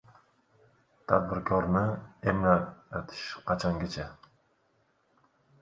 Tadbirkorni «emaklatish» qachongacha?